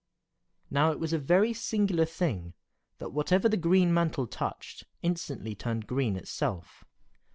Now it was a very singular thing that whatever the green mantle touched, instantly turned green itself.